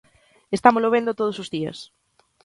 Estámolo vendo todos os días.